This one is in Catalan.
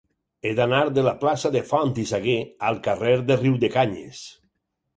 He d'anar de la plaça de Font i Sagué al carrer de Riudecanyes.